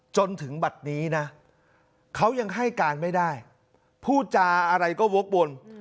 จนถึงบัตรนี้นะเขายังให้การไม่ได้พูดจาอะไรก็วกวน